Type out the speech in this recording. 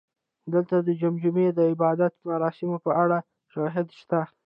دلته د جمجمې د عبادت مراسمو په اړه شواهد شته